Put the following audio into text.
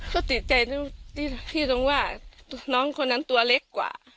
ก็ติดใจที่ตรงว่าน้องคนนั้นตัวเล็กกว่า